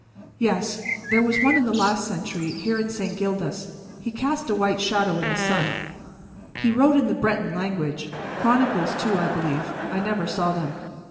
"Yes. There was one in the last century, here in St. Gildas. He cast a white shadow in the sun. He wrote in the Breton language. Chronicles, too, I believe. I never saw them.